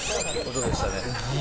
音でしたね。